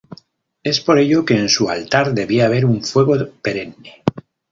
Es por ello que en su altar debía haber un fuego perenne.